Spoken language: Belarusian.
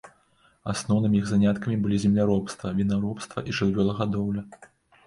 Асноўнымі іх заняткамі былі земляробства, вінаробства і жывёлагадоўля.